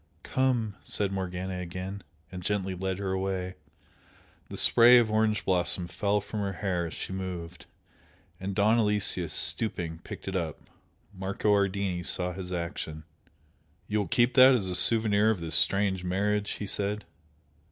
"Come!" said Morgana again, and gently led her away. The spray of orange blossom fell from her hair as she moved, and Don Aloyslus, stooping, picked it up. Marco Ardini saw his action. "You will keep that as a souvenir of this strange marriage?" he said.